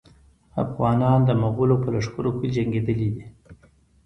افغانان د مغولو په لښکرو کې جنګېدلي دي.